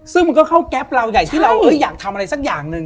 ซึ่งมันก็เข้าแก๊ปเราใหญ่ที่เราอยากทำอะไรสักอย่างหนึ่ง